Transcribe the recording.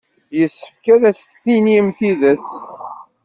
Yessefk ad as-tinim tidet.